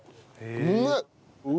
うめえ！